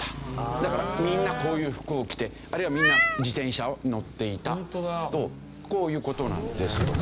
だからみんなこういう服を着てあるいはみんな自転車に乗っていたとこういう事なんですよね。